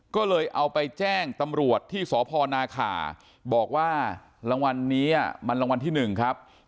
ก็เลยเอาไปแจ้งตำรวจที่สพนาขาบอกว่ารางวัลนี้มันรางวัลที่๑ครับ